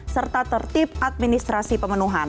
serta tertib administrasi pemenuhan